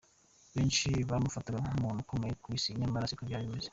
Benshi bamaufataga nk’umuntu ukomeye ku isi nyamara siko byari bimeze.